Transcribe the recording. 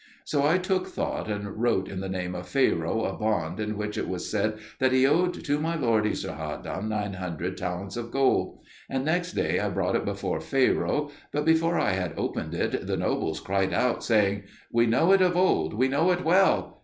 So I took thought, and wrote in the name of Pharaoh a bond in which it was said that he owed to my lord Esarhaddon nine hundred talents of gold. And next day I brought it before Pharaoh; but before I had opened it the nobles cried out, saying, "We know it of old, we know it well!"